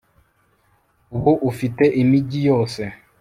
Ubu ufite imigi yose